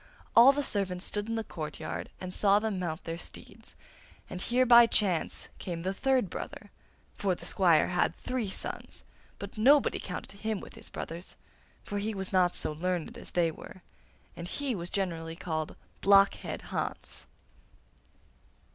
All the servants stood in the courtyard and saw them mount their steeds, and here by chance came the third brother; for the squire had three sons, but nobody counted him with his brothers, for he was not so learned as they were, and he was generally called 'Blockhead Hans.